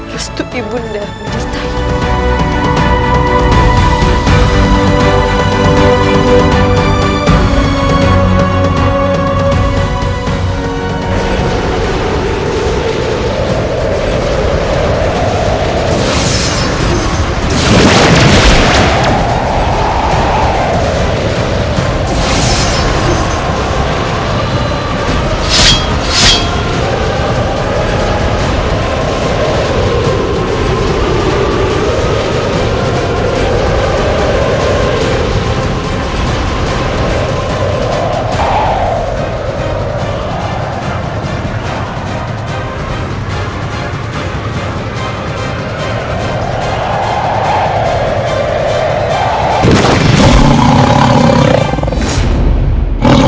restu ibu anda melintahi